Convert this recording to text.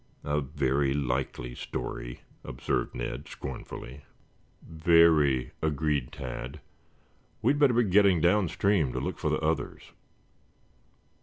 "A very likely story!" observed Ned scornfully. "Very," agreed Tad. "We had better be getting downstream to look for the others."